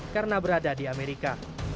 karena berada di amerika